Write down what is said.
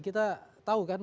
kita tahu kan